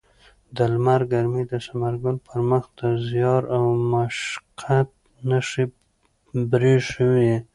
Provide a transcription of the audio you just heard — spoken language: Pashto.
د لمر ګرمۍ د ثمرګل پر مخ د زیار او مشقت نښې پرېښې وې.